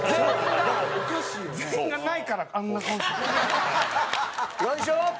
全員が、ないからあんな顔して。